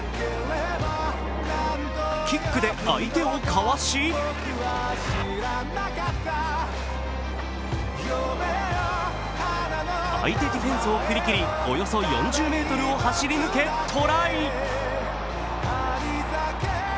キックで相手をかわし相手ディフェンスを振り切り、およそ４０ｍを走り抜け、トライ。